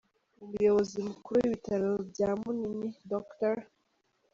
Umuyobozi Mukuru w’ibitaro bya Munini, Dr.